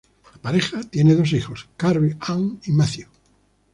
La pareja tiene dos hijos, Carrie Ann y Matthew.